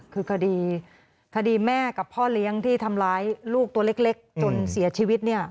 คือคดีแม่กับพ่อเลี้ยงที่ทำร้ายลูกตัวเล็กจนเสียชีวิต